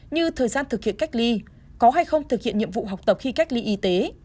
như thời gian thực hiện cách ly có hay không thực hiện nhiệm vụ học tập khi cách ly y tế